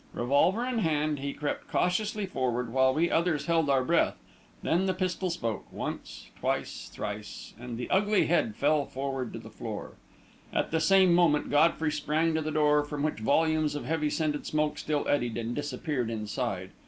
Revolver in hand, he crept cautiously forward, while we others held our breath; then the pistol spoke, one, twice, thrice, and the ugly head fell forward to the floor. At the same moment, Godfrey sprang to the door from which volumes of heavy, scented smoke still eddied, and disappeared inside.